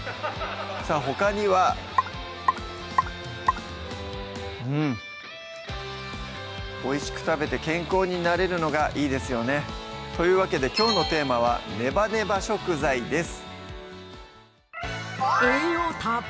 さぁほかにはうんおいしく食べて健康になれるのがいいですよねというわけできょうのテーマは「ネバネバ食材」です